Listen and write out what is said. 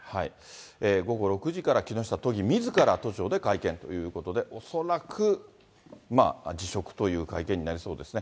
午後６時から木下都議みずから都庁で会見ということで、恐らく辞職という会見になりそうですね。